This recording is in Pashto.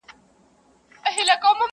شیخه په خلکو به دې زر ځله ریا ووینم٫